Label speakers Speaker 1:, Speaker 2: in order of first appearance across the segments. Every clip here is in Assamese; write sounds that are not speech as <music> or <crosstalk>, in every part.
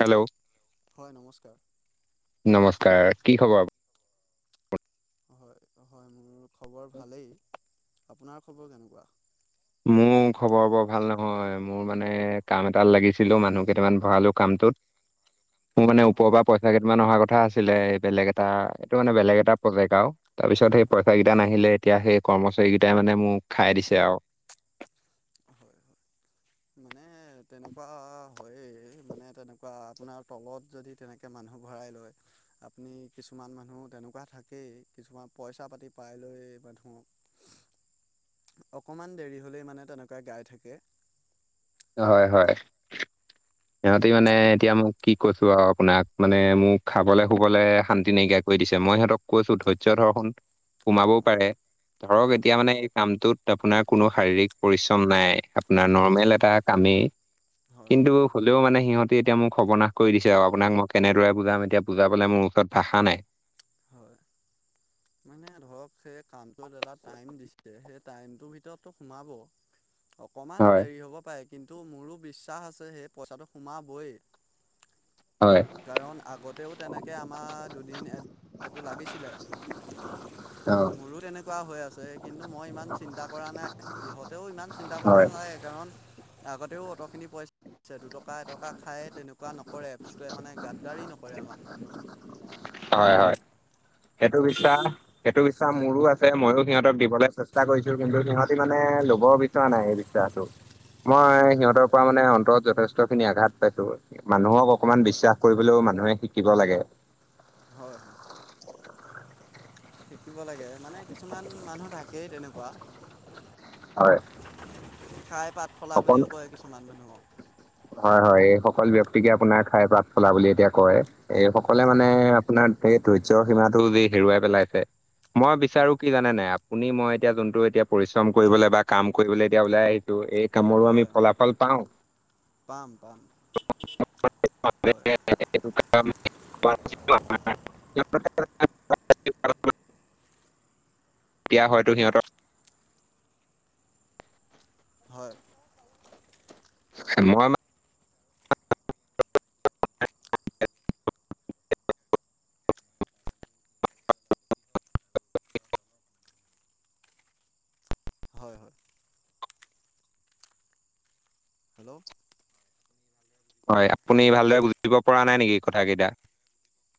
Speaker 1: হেল্ল'
Speaker 2: হয় নমস্কাৰ
Speaker 1: নমস্কাৰ কি খবৰ?
Speaker 2: হয় হয় মোৰ খবৰ ভালেই আপোনাৰ খবৰ কেনেকুৱা?
Speaker 1: মোৰ খবৰ বৰ ভাল নহয় মোৰ মানে কাম এটাত লাগিছিলো মানুহ কেইটামান ভৰালো কামটোত <inaudible> মোৰ মানে ওপৰৰ
Speaker 2: হয়
Speaker 1: পৰা পইচা কেইটান অহাৰ কথা আছিলে বেলেগ এটা এইটো মানে বেলেগ এটা প্ৰজেক্ট আও তাৰ পিছত সেই
Speaker 2: হয়
Speaker 1: পইচা কেইটা নাহিলে এতিয়া সেই কৰ্মচাৰী কেইটাই মানে মোক খাই দিছে আও
Speaker 2: হয় মানে তেনেকুৱা হয় মানে তেনেকুৱা আপোনাৰ তলত যদি তেনেকে মানুহক ভৰাই লয়, আপুনি কিছুমান মানুহ তেনেকুৱা থাকেই, কিছুমান পইচা পাতি পাই লৈ মানুহ অকণমান দেৰি হ'লেই মানে তেনেকোৱাই গাই থাকে,
Speaker 1: হয় হয়। সিহঁতে মানে এতিয়া মই কি কৈছো আৰু আপোনাক, মানে মোক খাবলৈ শুবলৈ শান্তি নাইকিয়া কৰি দিছে। মই সিহঁতক কৈছোঁ ধৈৰ্য্য ধৰ সোন সোমাবও
Speaker 2: হয়
Speaker 1: পাৰে ধৰক
Speaker 2: হয়
Speaker 1: এতিয়া
Speaker 2: হয়
Speaker 1: মানে এই কামটোত আপোনাৰ কোনো শাৰীৰিক পৰিশ্ৰম নাই আপোনাৰ
Speaker 2: হয়
Speaker 1: নৰ্মেল এটা কামেই
Speaker 2: হয়
Speaker 1: কিন্তু হ'লেও মানে সিহঁতে এতিয়া মোক সৰ্বনাশ কৰি দিছে আৰু আপোনাক মই কেনেদৰে বুজাম এতিয়া বুজাবলে মোৰ ওচৰত ভাষা নাই
Speaker 2: হয় মানে ধৰ ধক সেই কামটোত এটা টাইম দিছে, সেই টাইমটোৰ ভিতৰতো সোমাব। অকণমান
Speaker 1: হয়
Speaker 2: দেৰি হ'ব পাৰে, কিন্তু মোৰো বিশ্বাস আছে সেই পইচাটো সোমাবই।
Speaker 1: হয়
Speaker 2: কাৰণ আগতেও তেনেকে আমাৰ দুদিন এডটো লাগিছিলে।
Speaker 1: অ
Speaker 2: মোৰো তেনেকুৱা হৈ আছে, কিন্তু মই ইমান চিন্তা কৰা নাই। হিহঁতেও ইমান চিন্তা কৰিব
Speaker 1: হয়
Speaker 2: নেলাগে। কাৰণ আগতেও অটখিনি পইচা <unintelligible> আছে দুটকা এটকা খাই তেনেকুৱা নক কৰে এপছটোৱে মানে গাদ্দাৰি নকৰে আমাক।
Speaker 1: হয় হয়। সেইটো বিশ্বাস সেইটো বিশ্বাস মোৰো আছে, মইয়ো সিহঁতক দিবলৈ চেষ্টা কৰিছো, কিন্তু সিহঁতি মানে ল'ব বিচৰা নাই এই মই সিহঁতৰ
Speaker 2: হয়
Speaker 1: পৰা
Speaker 2: হয়
Speaker 1: মানে অন্তৰত যথেষ্ট খিনি আঘাত পাইছো। মানুহক অকমান
Speaker 2: হয়
Speaker 1: বিশ্বাস কৰিবলেও মানুহে শিকিব লাগে।
Speaker 2: হয় হয়। শিকিব লাগে, মানে কিছুমান মানুহ থাকেই তেনেকুৱা।
Speaker 1: হয়।
Speaker 2: খাই পাত ফলা
Speaker 1: অকল
Speaker 2: বুলিও কয় কিছুমান মানুহক।
Speaker 1: হয় হয় এই সকল ব্যক্তিকে আপোনাৰ খাইৰ পাত ফলা বুলি এতিয়া কয়। এই সকলে
Speaker 2: হয়
Speaker 1: মানে
Speaker 2: হয়
Speaker 1: আপোনাৰ এই ধৈৰ্য্য সীমাটো যি হেৰুৱাই পেলাইছে। মই বিচাৰো
Speaker 2: হয়
Speaker 1: কি জানে নাই আপুনি মই এতিয়া যোনটো এতিয়া পৰিশ্ৰম কৰিবলৈ বা কাম কৰিবলৈ এতিয়া ওলাই আহিলো, এই কামৰো আমি
Speaker 2: হয়
Speaker 1: ফলাফল পাওঁ,
Speaker 2: পাম পাম হয়।
Speaker 1: টো <inaudible> এতিয়া হয়তো সিহঁত
Speaker 2: হয়,
Speaker 1: মই মান
Speaker 2: হয় হয়। হেল্ল'
Speaker 1: হয় আপুনি ভালদৰে বুজিব পৰা নাই নেকি কথা কেইটা?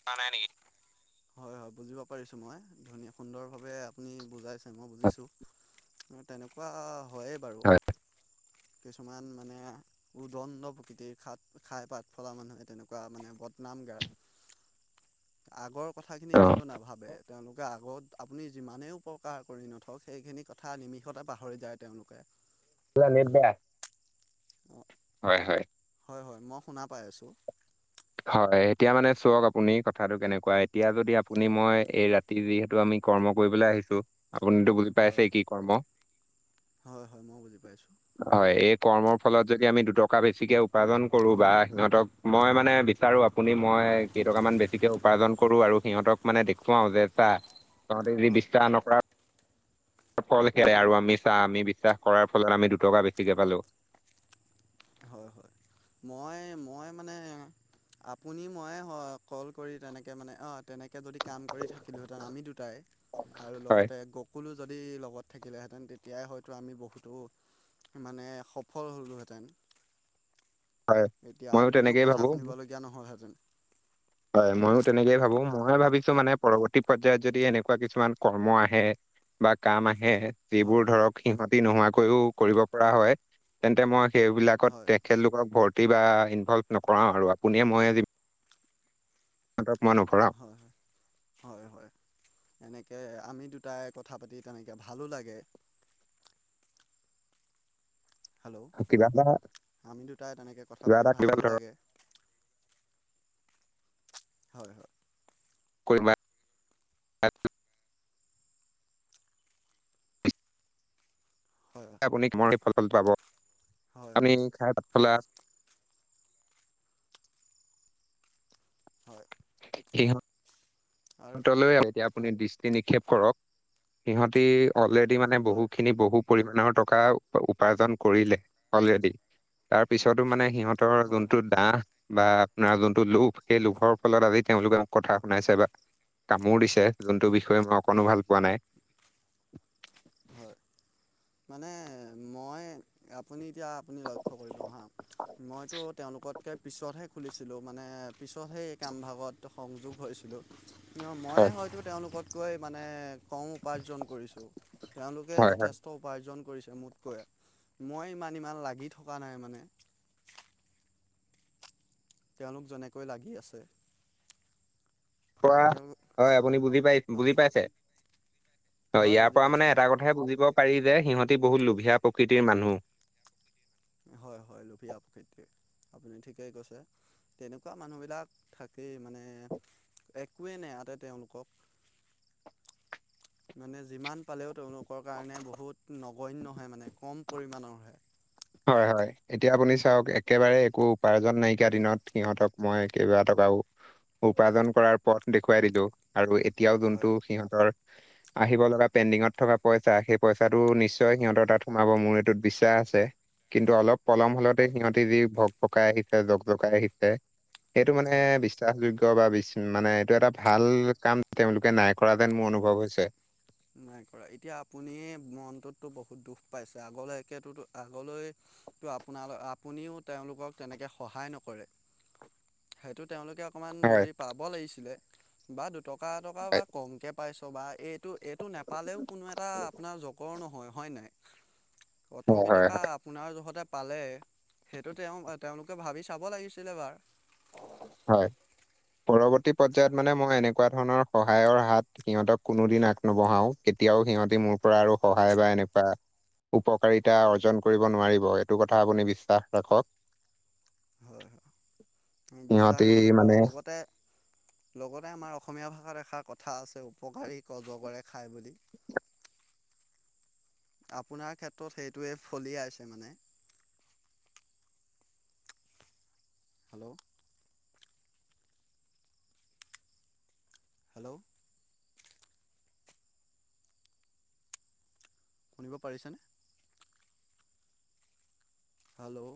Speaker 2: শুনা নাই নেকি? হয় হয় বুজিব পাৰিছোঁ মই। ধুনীয়া সুন্দৰভাৱে আপুনি বুজাইছে মই বুজিছোঁ। তেনেকুৱা হয়েই বাৰু,
Speaker 1: হয়
Speaker 2: কিছুমান মানে উদণ্ড প্ৰকৃতিৰ, খাত খাই পাত ফলা মানুহে তেনেকুৱা মানে বদনাম গা আগৰ কথাখিনি
Speaker 1: হয়
Speaker 2: কিন্তু নাভাবে, তেওঁলোকে আগত আপুনি যিমানেই উপকাৰ কৰি নথক, সেইখিনি কথা নিমিষতে পাহৰি যায় তেওঁলোকে।
Speaker 1: লৈ নিদিয়া। হয় হয়।
Speaker 2: হয় হয় মই শুনা পাই আছোঁ।
Speaker 1: হয় এতিয়া মানে চোৱক আপুনি কথাটো কেনেকুৱা, এতিয়া যদি আপুনি মই এই ৰা যিহেতু আমি কৰ্ম কৰিবলৈ আহিছো, আপুনিতো বুজি
Speaker 2: হয়
Speaker 1: পাইছেই কি কৰ্ম?
Speaker 2: হয় হয় মই বুজি পাইছোঁ।
Speaker 1: হয় এই কৰ্মৰ ফলত যদি আমি দুটকা বেছিকে উপাৰ্জন কৰো বা সিহঁতক মই মানে বিচাৰো আপুনি মই কেইটকামান বেছিকে উপাৰ্জন কৰো আৰু সিহঁতক মানে দেখুৱাও যে চা, তহঁতি যদি
Speaker 2: হয়
Speaker 1: বিস্তাৰ নক ফল খেৰে আৰু আমি চা, আমি বিশ্বাস কৰাৰ ফলত আমি দুটকা বেছিকে পালো।
Speaker 2: হয় হয়। মই মই মানে আপুনি মই হ কল কৰি তেনেকে মানে অ'। তেনেকে যদি কাম কৰি থাকিলোঁহেঁতেন আমি দুটাই আৰু
Speaker 1: হয়
Speaker 2: লগতে গ সকলো যদি লগত থাকিলেহেঁতেন, তেতিয়াই হয়তো আমি বহুতো মানে সফল হলোহেঁতেন।
Speaker 1: হয়
Speaker 2: এতিয়া
Speaker 1: ময়ো
Speaker 2: আপুনিও
Speaker 1: তেনেকেই
Speaker 2: কথা
Speaker 1: ভাবো
Speaker 2: শুনিবলগীয়া নহ'লহেঁতেন।
Speaker 1: হয় ময়ো তেনেকেই ভাবো, ময়ে
Speaker 2: হয়
Speaker 1: ভাবিছো মানে পৰৱৰ্তী পৰ্যায়ত যদি এনেকুৱা কিছুমান কৰ্ম আহে বা কাম আহে যিবোৰ
Speaker 2: হয়
Speaker 1: ধৰক সিহতি
Speaker 2: হয়
Speaker 1: নোহোৱাকৈও কৰিব পৰা হয় তেন্তে মই
Speaker 2: হয়
Speaker 1: সেইবিলাকত খেল লোকক ভৰ্তি বা ইনভল্ভ নকৰাও আৰু আপুনিয়ে মই আজি তহঁতক মই নকৰা
Speaker 2: হয় হয়, হয় হয়। এনেকে আমি দুটাই কথা পাতি তেনেকৈ ভালো লাগে। হেল্ল!
Speaker 1: কিবা এটা
Speaker 2: ' আমি দুটাই তেনেকে কথা
Speaker 1: কিবা
Speaker 2: পাতি
Speaker 1: এটা কিবা
Speaker 2: ভালো
Speaker 1: ধৰক
Speaker 2: লাগে। হয় হয়।
Speaker 1: কৰিবা
Speaker 2: হয় হয়।
Speaker 1: আপুনি মই এই ফল পাব, আপুনি
Speaker 2: হয়
Speaker 1: খাই পাতফলা
Speaker 2: হয়।
Speaker 1: কিহ
Speaker 2: আৰু
Speaker 1: তলৈ এতিয়া আপুনি দৃষ্টি নিক্ষেপ কৰক, সিহঁতি অলে সিহঁতি মানে
Speaker 2: হয়
Speaker 1: বহুখিনি বহু পৰিমাণৰ টকা উ - উপাৰ্জন কৰিলে অলৰেডি, তাৰ পিছতো মানে সিহঁত টৰ
Speaker 2: হয় হয়
Speaker 1: যোনটো
Speaker 2: হয়
Speaker 1: দাহ বা আপোনাৰ যোনটো লোভ সেই লোভৰ ফলত আজি তেওঁলোকে মোক কথা শুনাইছে বা কামো দিছে, যোনটো বিষয়ে মই
Speaker 2: হয়
Speaker 1: অকণো ভাল পোৱা নাই।
Speaker 2: হয়। মানে মই আপুনি এতিয়া আপুনি লক্ষ্য কৰিলো হা, মইতো তেওঁলোকতকে পিছতহে খুলিছিলোঁ মানে পিছতহে কামভাগত সংযোগ হৈছিলোঁ। অ' মই
Speaker 1: হয়।
Speaker 2: হয়তো তেওঁলোকতকৈ মানে কং <unintelligible> উপাৰ্জন কৰিছোঁ ত' তেওঁলোকে
Speaker 1: হয় হয়
Speaker 2: যথেষ্ট ত 'উপাৰ্জন কৰিছে মোতকৈয়ে, মই ইমান ইমান লাগি থকা নাই মানে তেওঁলোক যেনেকৈ লাগি আছে।
Speaker 1: পৰা,
Speaker 2: আৰু
Speaker 1: হয় আপুনি বুজি পাই
Speaker 2: হয়
Speaker 1: বুজি পাইছে? হয় ইয়াৰ
Speaker 2: বুজি
Speaker 1: পৰা মানে
Speaker 2: পাইছোঁ মই
Speaker 1: এটা ক হে বুজিব পাৰি যে সিহঁতি বহুত লোভীয়া প্ৰকৃতিৰ মানুহ।
Speaker 2: হয় হয় লোভীয়া প্ৰকৃতিৰ আপুনি ঠিকেই কৈছে। তেনেকুৱা মানুহবিলাক থাকেই মানে একোৱেই নাই ইয়াতে তেওঁলোকক। মানে যিমান পালেও তেওঁলোকৰ কাৰণে বহুত নগণ্য হয় মানে কম পৰিমাণৰ হয়।
Speaker 1: হয় হয়। এতিয়া আপুনি চাওক একেবাৰে একো উপাৰ্জন নাইকিয়া দিনত সিহঁতক মই কেইবা টকাও <unintelligible> উপাৰ্জন কৰাৰ পথ দেখুৱাই দিলো। আৰু এতিয়াও যোনটো
Speaker 2: হয়
Speaker 1: সিহতৰ আহিব লগা পেণ্ডিঙত থকা পইচা সেই পইচাটো নিশ্চয়। নিশ্চয়
Speaker 2: হয়
Speaker 1: সিহঁতৰ তাত সোমাব মোৰ এইটোত বিশ্বাস আছে কিন্তু অলপ
Speaker 2: হয়
Speaker 1: পলম হলতে সিহঁতে যি ভক্ত <unintelligible> পকাই আহিছে জগ জগাই আহিছে সেইটো
Speaker 2: হয়
Speaker 1: মানে
Speaker 2: হয়।
Speaker 1: বিশ্বাসযোগ্য বা মানে এইটো এটা ভাল কাম তেওঁলোকে নাই কৰা যেন মোৰ অনুভৱ হৈছে।
Speaker 2: নাই কৰা এতিয়া আপুনি মনটোততো বহুত দুখ পাইছে আগলৈ একোতো আগলৈ। তো আপোনাল আপুনিও তেওঁলোকক তেনেকৈ সহায় নকৰে <unintelligible>
Speaker 1: <inaudible>
Speaker 2: সেইটো তেওঁলোকে অকণমান
Speaker 1: হয়
Speaker 2: বুজি পাব লাগিছিলে, বা দুটকা এটকা বা
Speaker 1: হয়
Speaker 2: কমকে পাইছ বা এইটো এইটো নাপালেও কোনো এটা আপোনাৰ জকৰ নহয়, হয় নাই?
Speaker 1: হয়
Speaker 2: কঠৰকী
Speaker 1: হয়
Speaker 2: টকা
Speaker 1: হয়
Speaker 2: আপোনাৰ যহতে পালে, সেইটো তেওঁ তেওঁলোকে ভাবি চাব লাগিছিলে বাৰ।
Speaker 1: হয়। পৰৱৰ্তী পৰ্যায়ত মানে মই এনেকুৱা ধৰণৰ সহায়ৰ হাত সিহঁতক কোনো দিন আগ নবঢ়াও। কেতিয়াও সিহঁতে মোৰ পৰা আৰু সহায় বা এনেকুৱা উপকাৰিতা অৰ্জন কৰিব নোৱাৰিব এইটো কথা আপুনি বিশ্বাস ৰাখক।
Speaker 2: হয় হয় ম বিশ্বাস
Speaker 1: সিহঁতি
Speaker 2: ৰাখিছোঁ বাৰু
Speaker 1: মানে
Speaker 2: লগতে লগতে আমাৰ অসমীয়া ভাষাত এষাৰ কথা আছে উপকাৰীক অজগৰে খাই বুলি। আপোনাৰ ক্ষেত্ৰত সেইটোৱে ফলিয়াইছে মানে। হেল্ল' হেল্ল' শুনিব পাৰিছানে? হেল্ল'ঊ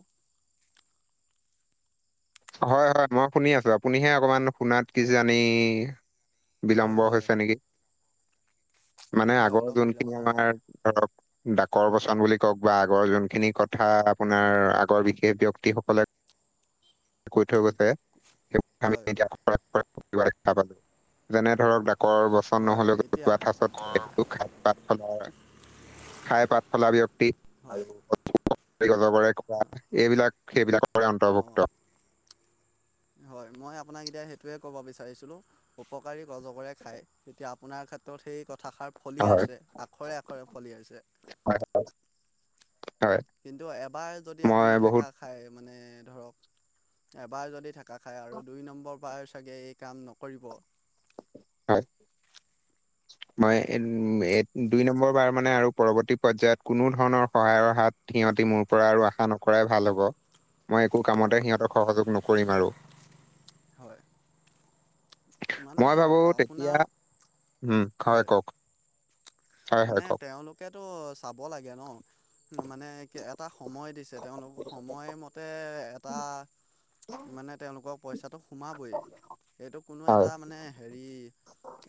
Speaker 1: হয় হয় মই শুনি আছো, আপুনিহে অকমান শুনাত কিজানি বিলম্ব
Speaker 2: হয় হয়
Speaker 1: হৈছ
Speaker 2: হয়
Speaker 1: নেকি। মানে
Speaker 2: হয়
Speaker 1: আগৰ
Speaker 2: অলপ
Speaker 1: যোনখিনি
Speaker 2: বিলম্ব
Speaker 1: আমাৰ
Speaker 2: হৈছে
Speaker 1: ধৰক ডাকৰ বচন বুলি কওক বা আগৰ যোনখিনি কথা আপোনাৰ আগৰ বিশেষ ব্যক্তিসকলে কৈ থৈ গৈছে সেই আমি
Speaker 2: হয়
Speaker 1: এতিয়া <unintelligible> যেনে ধৰক ডাকৰ বচন
Speaker 2: হয়
Speaker 1: নহলেও
Speaker 2: এতিয়া
Speaker 1: জতুৱা ঠাঁচত খ পাত ফলাৰ খাই পাত ফলা ব্যক্তি <unintelligible> অজগৰে খোৱা
Speaker 2: হয়
Speaker 1: এইবিলাক সেইবিলাকৰে
Speaker 2: অঁ
Speaker 1: অন্তৰ্ভুক্ত।
Speaker 2: হয় মই আপোনাক এতিয়া সেইটোৱে ক'ব বিচাৰিছিলোঁ, উপকাৰীক অজগৰে খায়। এতিয়া আপোনাৰ ক্ষেত্ৰত সেই কথাষাৰ
Speaker 1: হয়,
Speaker 2: ফলিয়াইছে। আখৰে আখৰে ফলিয়াইছে।
Speaker 1: <unintelligible>
Speaker 2: কিন্তু এবাৰ যদি আপুনি
Speaker 1: মই
Speaker 2: ঠেকা
Speaker 1: বহুত
Speaker 2: খায় মানে ধৰক, এবাৰ যদি ঠেকা খায় আৰু দুই নম্বৰ বাৰ চাগে এই কাম নকৰিব।
Speaker 1: হয়। মই উম এ দুই নম্বৰ বাৰ মানে আৰু পৰৱৰ্তী পৰ্যয়ায়ত কোনো ধৰণৰ সহায়ৰ হাত সিহঁতি মোৰ পৰা আৰু আশা নকৰাই ভাল হব। মই একো কামতে
Speaker 2: হয়
Speaker 1: সিহঁতক সহযোগ নকৰিম আৰু।
Speaker 2: হয়। মানে
Speaker 1: মই ভাবোঁ তেতিয়া,
Speaker 2: আপোনাৰ
Speaker 1: হয় কওঁক?
Speaker 2: মানে তেওঁলোকেতো চাব লাগে ন? মানে এটা সময় দিছে, তেওঁলোক সময় ম তে এটা 'মানে তেওঁলোকৰ পইচাটো সোমাবই। এইটো কোনো
Speaker 1: হয়
Speaker 2: এটা মানে হেৰি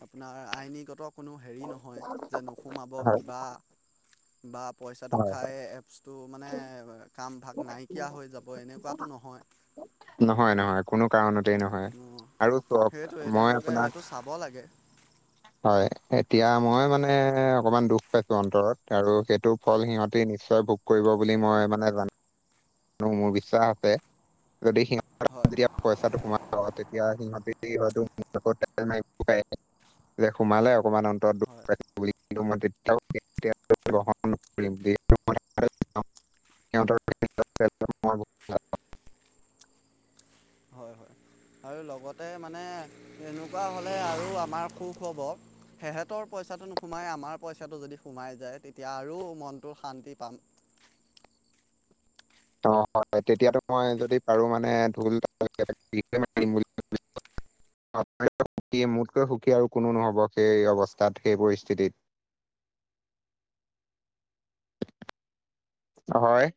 Speaker 2: আপোনাৰ আইনীগত কোনো হেৰি নহয় যে, নোসোমাব
Speaker 1: হয়
Speaker 2: কিবা, বা পইচাটো
Speaker 1: হয়
Speaker 2: খাই এপ বস্তু মানে কামভাগ নাইকিয়া হৈ যাব, এনেকুৱাতো নহয়।
Speaker 1: নহয় নহয়। কোনো কাৰণতেই নহয়
Speaker 2: অ
Speaker 1: আৰু চক
Speaker 2: সেইটোৱে
Speaker 1: মই
Speaker 2: তেওঁলোকে
Speaker 1: আপোনাক
Speaker 2: সেইটো চাব লাগে।
Speaker 1: হয় এতিয়া মই মানে অকমান দুখ পাইছো অন্তৰত আৰু সেইটো ফল সিহঁতি নিশ্চয় ভুক কৰিব বুলি মই মানে জান নো, মোৰ বিশ্বাস আছে। যদি সিহঁ
Speaker 2: হয়।
Speaker 1: পইচাটো কমাব তেতিয়া সিহঁতে সিহঁত মাৰিব প <unintelligible> যে সোমালে অকনমান অন্ত
Speaker 2: হয়
Speaker 1: মইতিয়া গ্ৰণ <unintelligible> মই <unintelligible>
Speaker 2: হয় হয় আৰু লগতে মানে এনেকুৱা হ'লে আৰু আমাৰ সুখ হ'ব। সেহঁতৰ পইচাটো নোসুমাই, আমাৰ পইচাটো যদি সোমাই যায়। তেতিয়া আৰু মনটো শান্তি পাম।
Speaker 1: অ হয় তেতিয়াতো মই যদি পাৰো মানে ঢোল বুলি <unintelligible> <unintelligible> সুখী মোতকৈ সুখী আৰু কোনো নহ'ব, সেই অৱস্থাত, সেই পৰিস্থিতিত। হয়